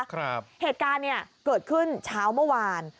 เหตุการณ์เนี่ยเกิดขึ้นเช้าเมื่อวาน